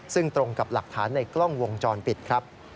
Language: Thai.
ซึ่งตรงกับหลักฐานในกล้องวงจรปิดครับ